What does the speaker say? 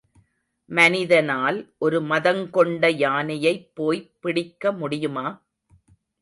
மனிதனால் ஒரு மதங்கொண்ட யானையைப் போய்ப் பிடிக்கமுடியுமா?